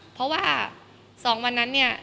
เพราะว่า๒วันนั้นเนี่ย